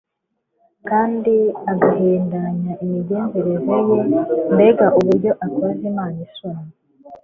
kandi agahindanya imigenzereze ye, mbega uburyo akoza imana isoni